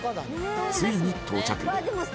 ついに到着。